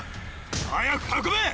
早く運べ！